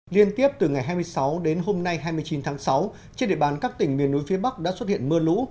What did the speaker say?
liên tiếp từ ngày hai mươi sáu đến hôm nay hai mươi chín tháng sáu trên địa bàn các tỉnh miền núi phía bắc đã xuất hiện mưa lũ